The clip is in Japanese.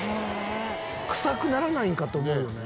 臭くならないんか？と思うよね。